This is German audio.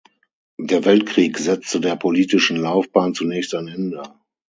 Der Weltkrieg setzte der politischen Laufbahn zunächst ein Ende.